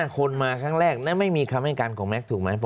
คนมาครั้งแรกแล้วไม่มีคำให้การของแก๊กถูกไหม